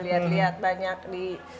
lihat lihat banyak di